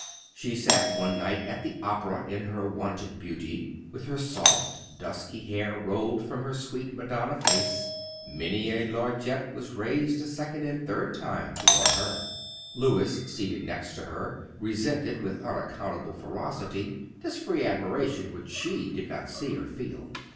She sat one night at the opera in her wonted beauty, with her soft, dusky hair rolled from her sweet Madonna face. Many a lorgnette was raised a second and a third time toward her. Louis, seated next to her, resented with unaccountable ferocity this free admiration that she did not see or feel.